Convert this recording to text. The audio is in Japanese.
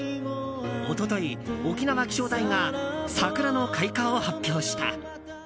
一昨日、沖縄気象台が桜の開花を発表した。